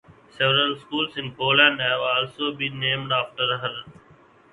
Several schools in Poland have also been named after her.